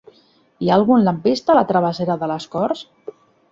Hi ha algun lampista a la travessera de les Corts?